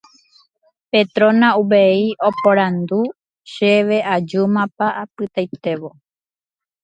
Petrona uvei oporandu chéve ajúmapa apytaitévo